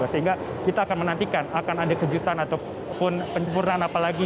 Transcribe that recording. sehingga kita akan menantikan akan ada kejutan ataupun penyempurnaan apalagi